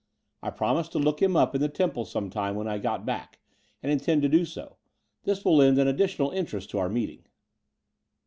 I promised to look him up in the Temple some time when I got back, and intend to do so. This will lend an additional interest to our meeting."